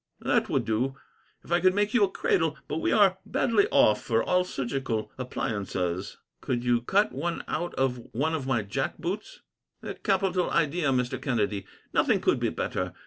"That would do, if I could make you a cradle, but we are badly off for all surgical appliances." "Could you cut one out of one of my jack boots?" "A capital idea, Mr. Kennedy. Nothing could be better.